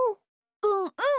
うんうん！